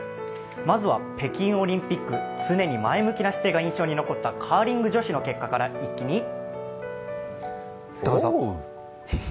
まずは北京オリンピック常に前向きな姿勢が印象に残ったカーリング女子の結果から一気に！